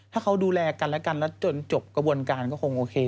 ถ้าเขาดูแลกันและกันแล้วจนจบกระบวนการก็คงโอเค